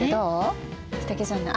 すてきじゃない？